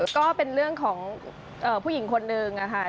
ก็เป็นเรื่องของผู้หญิงคนนึงค่ะ